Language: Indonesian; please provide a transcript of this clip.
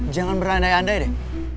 jangan berandai andai deh